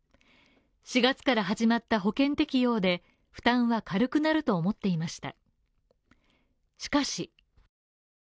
４月から始まった保険適用で負担は軽くなると思っていました。